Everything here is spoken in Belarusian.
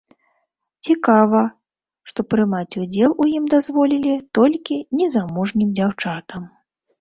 Цікава, што прымаць удзел у ім дазволілі толькі незамужнім дзяўчатам.